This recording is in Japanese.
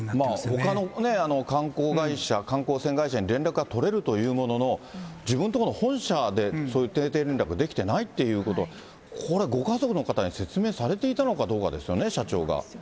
ほかの観光会社、観光船会社に連絡が取れるというものの、自分とこの本社で、そういう定点連絡できてないということ、これ、ご家族の方に説明されていたのかどうかですよね、社長が。